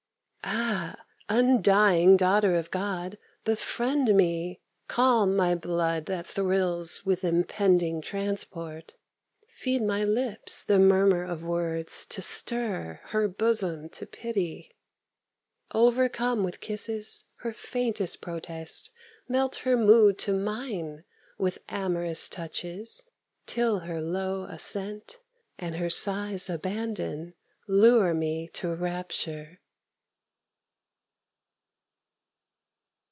Ah! undying Daughter of God, befriend me! Calm my blood that thrills with impending transport; Feed my lips the murmur of words to stir her Bosom to pity; Overcome with kisses her faintest protest, Melt her mood to mine with amorous touches, Till her low assent and her sigh's abandon Lure me to rapture.